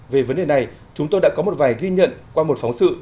về vấn đề này chúng tôi đã có một vài ghi nhận qua một phóng sự